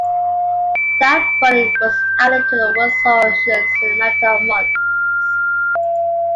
That volume was added to the world's oceans in a matter of months.